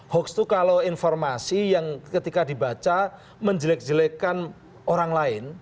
hoax itu kalau informasi yang ketika dibaca menjelek jelekkan orang lain